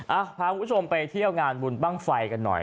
พาคุณผู้ชมไปเที่ยวงานบุญบ้างไฟกันหน่อย